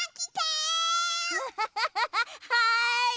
はい。